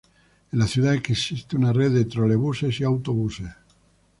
En la ciudad existe una red de trolebuses y autobuses.